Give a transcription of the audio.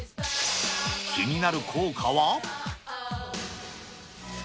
気になる効果は。